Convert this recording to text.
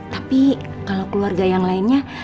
tapi kalau keluarga yang lainnya